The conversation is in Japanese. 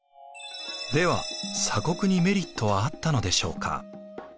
では鎖国にメリットはあったのでしょうか？